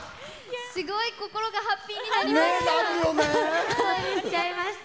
すごい心がハッピーになりました。